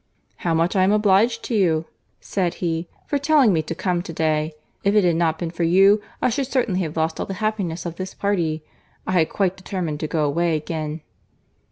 "How much I am obliged to you," said he, "for telling me to come to day!—If it had not been for you, I should certainly have lost all the happiness of this party. I had quite determined to go away again."